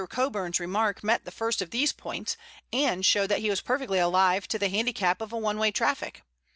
Coburn's remark met the first of these points, and showed that he was perfectly alive to the handicap of a oneway traffic.